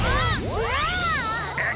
うわ！